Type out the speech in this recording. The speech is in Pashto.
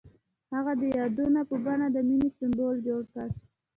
هغه د یادونه په بڼه د مینې سمبول جوړ کړ.